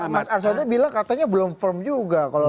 tapi mas arswado bilang katanya belum firm juga